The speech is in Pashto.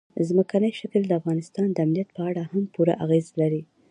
ځمکنی شکل د افغانستان د امنیت په اړه هم پوره اغېز لري.